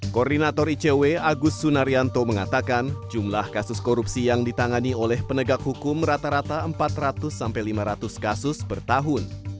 koordinator icw agus sunarianto mengatakan jumlah kasus korupsi yang ditangani oleh penegak hukum rata rata empat ratus sampai lima ratus kasus per tahun